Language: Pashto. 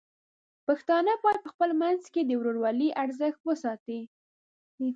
پښتانه بايد په خپل منځ کې د ورورولۍ ارزښت وساتي.